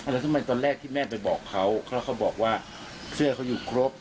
แล้วทำไมตอนแรกที่แม่ไปบอกเขาแล้วเขาบอกว่าเสื้อเขาอยู่ครบ